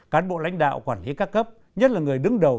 cán bộ lãnh đạo quản lý các cấp nhất là người đứng đầu